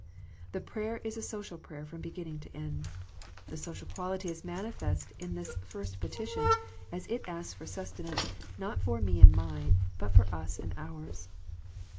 The prayer is a social prayer from beginning to end. The social quality is manifest in this first petition as it asks for sustenance not for " me and mine," but for " us and ours."